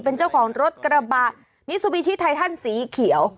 เป็นเจ้าของรถกระบะมิซูบิชิไททันสีเขียว